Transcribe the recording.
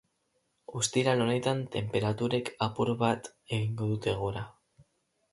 Ostiral honetan tenperaturek apur bat egingo dute gora.